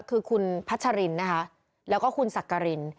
คือคุณพัชรินนะคะแล้วก็คุณสักกริน